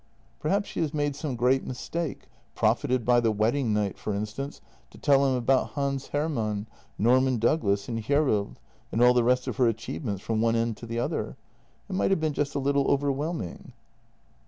" Perhaps she has made some great mistake, profited by the wedding night, for instance, to tell him about Hans Hermann, Norman Douglas, and Hjerrild, and all the rest of her achieve ments from one end to the other. It might have been just a little overwhelming."